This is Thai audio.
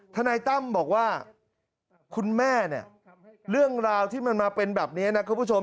ทนายตั้มบอกว่าคุณแม่เนี่ยเรื่องราวที่มันมาเป็นแบบนี้นะคุณผู้ชม